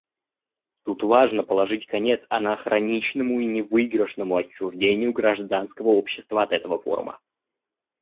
Тут важно положить конец анахроничному и невыигрышному отчуждению гражданского общества от этого форума.